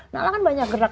nala kan banyak gerak